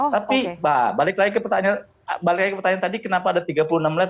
tapi balik lagi ke pertanyaan tadi kenapa ada tiga puluh enam lap dan tiga puluh delapan lap